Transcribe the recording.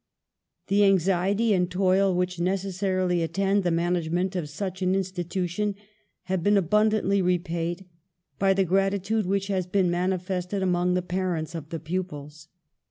The anxiety and toil which necessarily attend the management of such an institution have been abundantly repaid by the gratitude which has been manifested among the parents of the pupils.